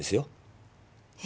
え？